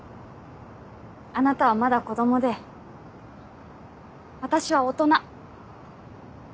あなたはまだ子供で私は大人。